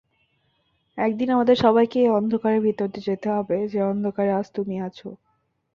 একদিন আমাদের সবাইকে এই অন্ধকারের ভিতর দিয়ে যেতে হবে যে অন্ধকারে আজ তুমি আছো।